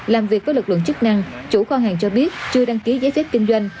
làm việc với lực lượng chức năng chủ kho hàng cho biết chưa đăng ký giấy phép kinh doanh